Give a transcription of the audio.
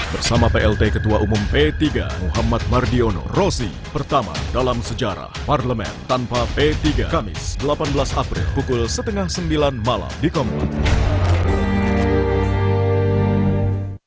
bersama plt ketua umum p tiga muhammad mardiono rozi pertama dalam sejarah parlemen tanpa p tiga kamis delapan belas april pukul setengah sembilan malam di komnas